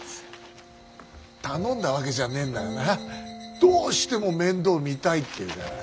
頼んだわけじゃねえんだがなどうしても面倒見たいって言うから。